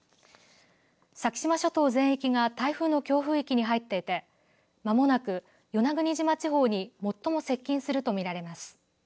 先島諸島全域が台風の強風域に入っていてまもなく与那国島地方に最も接近すると見られます。